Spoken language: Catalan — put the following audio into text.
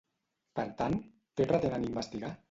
Per tant, què pretenen investigar?